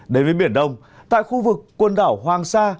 đến với biển đông tại khu vực quần đảo hoàng sa